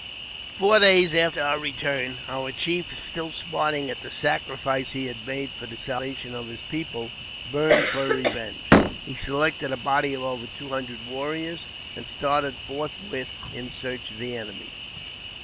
FOUK days after our return, our chief, still smarting at the sacrifice he had made for the salvation of his people, hurned for revenge. He selected a body of over two hundred warriors, and started forthwith in search of the enemy.